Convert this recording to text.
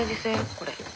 これ。